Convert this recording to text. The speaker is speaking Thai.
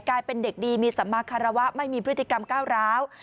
กลายเป็นเด็กดีมีสัมมาคารวะไม่มีพฤติกรรมก้าวร้าว